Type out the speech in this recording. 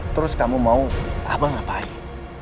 terus kamu mau abang ngapain